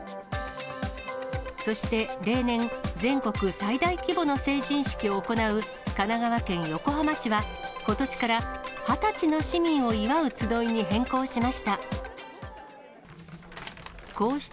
そして、例年、全国最大規模の成人式を行う神奈川県横浜市は、ことしから、二十歳の市民を祝うつどいに変更しました。